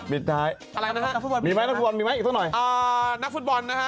ปิดท้ายอะไรนะฮะมีไหมมีไหมอีกตั้งหน่อยอ่านักฟุตบอลนะฮะ